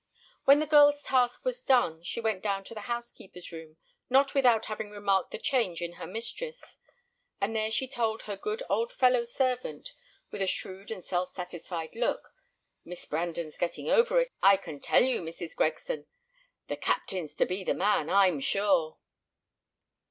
When the girl's task was done, she went down to the housekeeper's room, not without having remarked the change in her mistress; and there she told her good old fellow servant, with a shrewd and self satisfied look. "Miss Brandon's getting over it, I can tell you, Mrs. Gregson. The captain's to be the man, I'm sure."